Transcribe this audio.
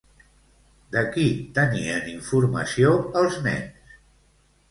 De qui tenien informació els nens?